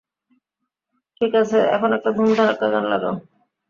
ঠিক আছে, এখন একটা ধুম-ধারাক্কা গান লাগাও।